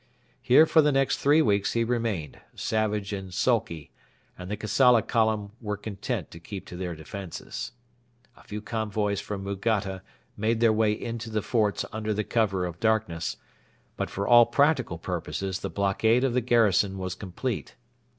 Here for the next three weeks he remained, savage and sulky; and the Kassala column were content to keep to their defences. A few convoys from Mugatta made their way into the forts under the cover of darkness, but for all practical purposes the blockade of the garrison was complete.